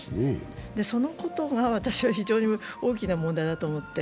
そのことが私は非常に大きな問題だと思って。